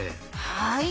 はい。